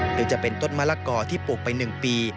หรือจะเป็นต้นมะละกอที่ปลูกไป๑ปี